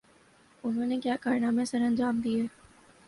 انہوں نے کیا کارنامے سرانجام دئیے؟